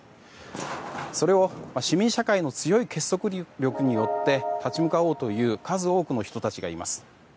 それを市民社会の強い結束力によって立ち向かおうという数多くの人たちがいます。